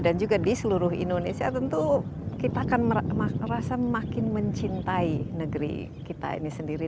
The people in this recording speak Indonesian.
dan juga di seluruh indonesia tentu kita akan merasa makin mencintai negeri kita ini sendiri